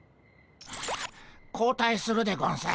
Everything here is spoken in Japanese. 交代するでゴンス。